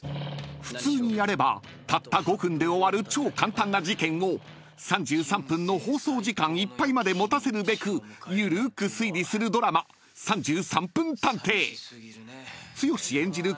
［普通にやればたった５分で終わる超簡単な事件を３３分の放送時間いっぱいまで持たせるべく緩ーく推理するドラマ『３３分探偵』］［剛演じる